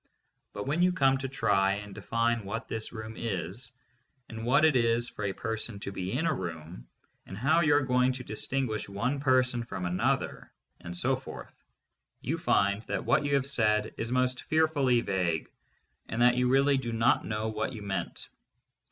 But when you come to try and define what this room is, and what it is for a person to be in a room, and how you are going to distin guish one person from another, and so forth, you find that what you have said is most fearfully vague and that you really do not know what you meant.